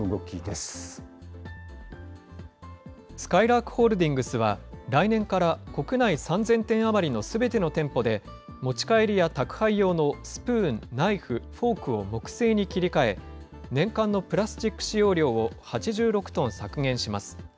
すかいらーくホールディングスは、来年から国内３０００店余りのすべての店舗で、持ち帰りや宅配用のスプーン、ナイフ、フォークを木製に切り替え、年間のプラスチック使用量を８６トン削減します。